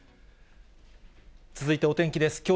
続いてお天気です。